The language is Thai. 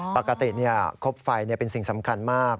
ปกติครบไฟเป็นสิ่งสำคัญมาก